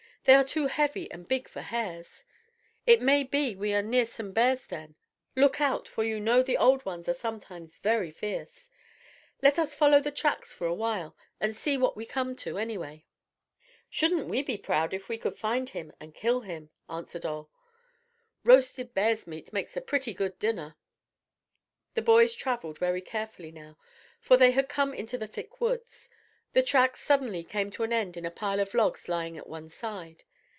They are too heavy and big for hares'. It may be we are near some bear's den. Look out, for you know the old ones are sometimes very fierce. Let us follow the tracks for a while and see what we come to, anyway." "Shouldn't we be proud if we could find him and kill him?" answered Ole. "Roasted bear's meat makes a pretty good dinner." The boys travelled very carefully now, for they had come into the thick woods. The tracks suddenly came to an end at a pile of logs lying at one side.